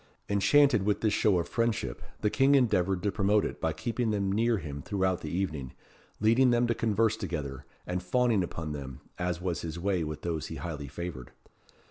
Enchanted with this show of friendship, the King endeavoured to promote it by keeping them near him throughout the evening, leading them to converse together, and fawning upon them, as was his way with those he highly favoured.